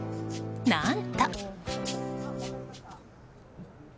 何と。